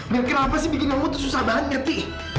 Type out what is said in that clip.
biar kenapa sih bikin kamu tuh susah banget ngerti